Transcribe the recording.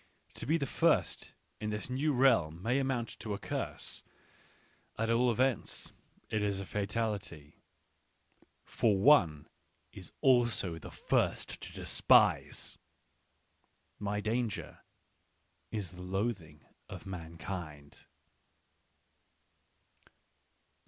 To be the first in this new realm may amount to a curse ; at all events, it is a fatality : for one is also the first to despise. My danger is the loathing of mankind.